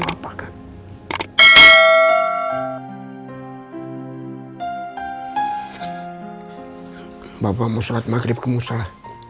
bapak mau sholat maghrib ke musa